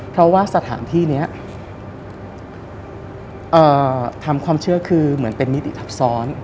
เพราะว่าสถานที่นี้ทำความเชื่อคือเหมือนเป็นมิติทับซ้อน